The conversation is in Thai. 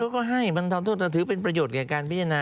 ก็ให้บรรเทาโทษจะถือเป็นประโยชน์กับการพิจารณา